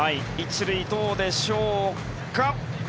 １塁、どうでしょうか。